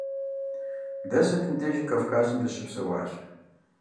Дэ сытым дежи Кавказым дыщыпсэуащ.